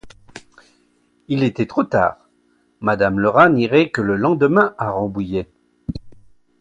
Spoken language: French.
Il était trop tard, madame Lerat n'irait que le lendemain à Rambouillet.